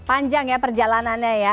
panjang ya perjalanannya ya